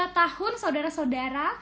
delapan puluh dua tahun saudara saudara